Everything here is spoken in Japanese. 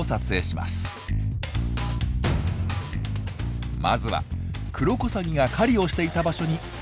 まずはクロコサギが狩りをしていた場所にカメラを設置します。